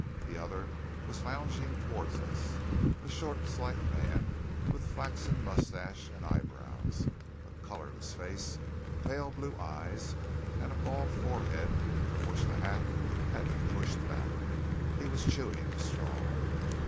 The other was lounging toward us a short, slight man, with flaxen moustache and eyebrows, a colourless face, pale blue eyes, and a bald forehead from which the hat had been pushed back. He was chewing a straw.